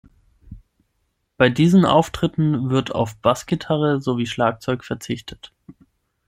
Bei diesen Auftritten wird auf Bassgitarre sowie Schlagzeug verzichtet.